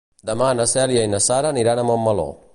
Demà na Cèlia i na Sara aniran a Montmeló.